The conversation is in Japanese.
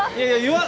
いやいや。